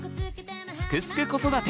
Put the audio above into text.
「すくすく子育て」